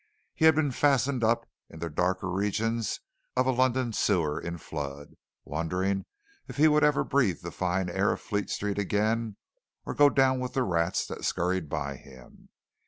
He had been fastened up in the darker regions of a London sewer in flood, wondering if he would ever breathe the fine air of Fleet Street again or go down with the rats that scurried by him.